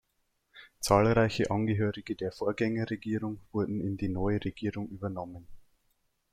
Zahlreiche Angehörige der Vorgängerregierung wurden in die neue Regierung übernommen.